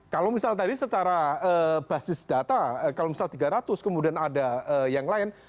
kalau misal tadi secara basis data kalau misal tiga ratus kemudian ada yang lain